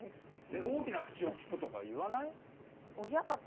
「大きな口をきく」とか言わない？